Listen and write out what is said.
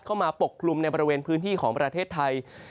ปกคลุมในบริเวณพื้นที่ของประเทศไทย